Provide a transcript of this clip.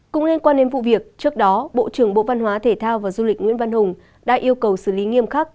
cũng liên quan đến vụ việc trước đó bộ trưởng bộ văn hóa thể thao và du lịch nguyễn văn hùng đã yêu cầu xử lý nghiêm khắc